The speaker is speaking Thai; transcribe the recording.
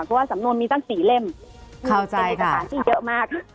เพราะว่าสำนวนมีตั้ง๔เล่มเป็นเอกสารที่เยอะมาก